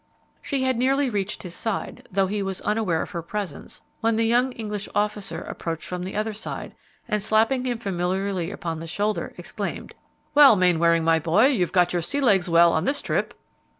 She had nearly reached his side, though he was unaware of her presence, when the young English officer approached from the other side and, slapping him familiarly upon the shoulder, exclaimed, "Well, Mainwaring, my boy, you've kept your sea legs well on this trip."